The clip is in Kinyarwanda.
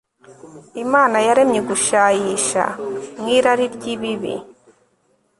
Imana yaremye Ugushayisha mu irari ryibibi